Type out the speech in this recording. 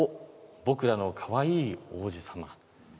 僕らのかわいい皇子さま。